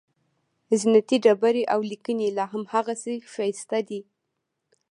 زینتي ډبرې او لیکنې لاهم هماغسې ښایسته دي.